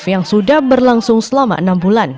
yang sudah berlangsung selamat